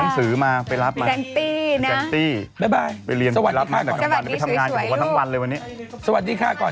สวัสดีค่ะยกมือสวัสดีค่ะ